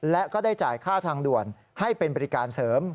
และก็ได้จ่ายค่าทางด่วนให้เป็นบริการเสริม